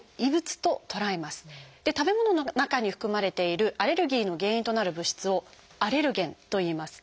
食べ物の中に含まれているアレルギーの原因となる物質を「アレルゲン」といいます。